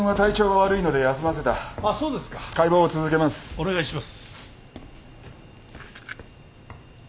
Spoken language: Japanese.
お願いします。